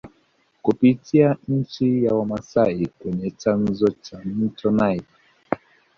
Kupitia nchi ya Wamasai kwenye chanzo cha mto Nile